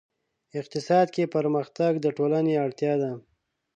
اقتصاد کې پرمختګ د ټولنې اړتیا ده.